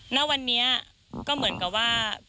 ณวันนี้ก็เหมือนกับว่า